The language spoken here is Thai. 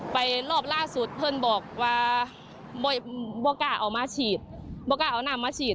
ไปรอบล่าสุดเพื่อนบอกว่าบ้ากล้าเอามาฉีด